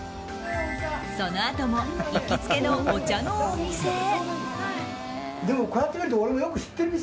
そのあとも行きつけのお茶のお店へ。